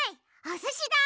おすしだ！